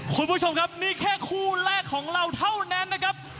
คุณผู้ชมครับนี่แค่คู่แรกของเราเท่านั้นนะครับ